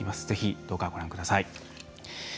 ぜひ、どうかご覧ください。